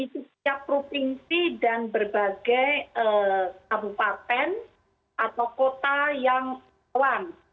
di setiap provinsi dan berbagai kabupaten atau kota yang awan